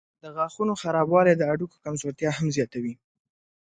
د غاښونو خرابوالی د هډوکو کمزورتیا هم زیاتوي.